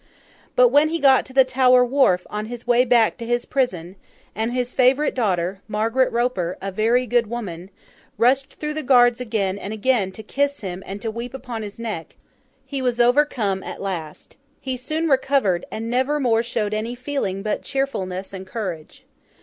But, when he got to the Tower Wharf on his way back to his prison, and his favourite daughter, Margaret Roper, a very good woman, rushed through the guards again and again, to kiss him and to weep upon his neck, he was overcome at last. He soon recovered, and never more showed any feeling but cheerfulness and courage.